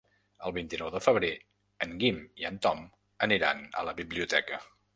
El vint-i-nou de febrer en Guim i en Tom aniran a la biblioteca.